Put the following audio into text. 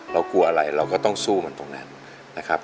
เรากลัวอะไรเราก็ต้องสู้มันตรงนั้นนะครับ